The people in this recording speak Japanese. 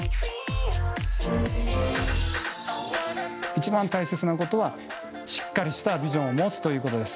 一番大切なことはしっかりしたビジョンを持つということです。